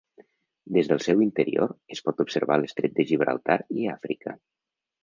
Des del seu interior, es pot observar l'estret de Gibraltar i Àfrica.